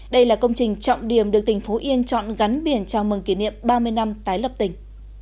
đây là công trình trọng điểm được tỉnh phú yên chọn gắn biển chào mừng kỷ niệm ba mươi năm tái lập tỉnh